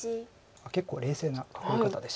結構冷静な囲い方でした。